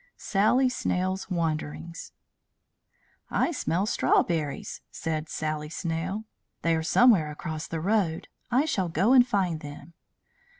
SALLY SNAIL'S WANDERINGS "I smell strawberries," said Sally Snail. "They are somewhere across the road. I shall go and find them."